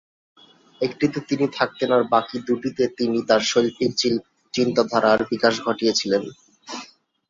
একটিতে তিনি থাকতেন আর বাকি দুটিতে তিনি তার শৈল্পিক চিন্তাধারার বিকাশ ঘটিয়েছিলেন।